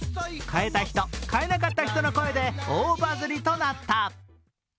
買えた人、買えなかった人の声で大バズりとなった。